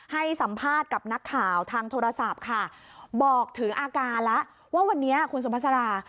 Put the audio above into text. ให้สัมภาษณ์กับนักข่าวทางโทรศัพท์ค่ะบอกถึงอาการแล้วว่าวันนี้คุณสุภาษารา